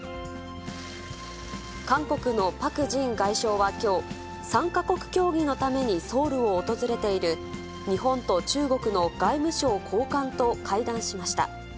韓国のパク・ジン外相はきょう、３か国協議のためにソウルを訪れている、日本と中国の外務省高官と会談しました。